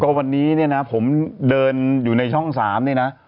วันนี้เนี่ยนะผมเดินอยู่ในช่อง๓เนี่ยนะ